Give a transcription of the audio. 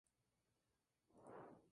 El monte es popular entre los senderistas.